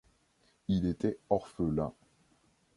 Il était orphelin.